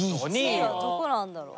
１位はどこなんだろう。